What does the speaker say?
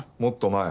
前？